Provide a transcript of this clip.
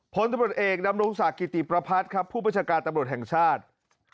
ผลตำรวจเอกดำรงศักดิ์กิติประพัฒน์ครับผู้ประชาการตำรวจแห่งชาติ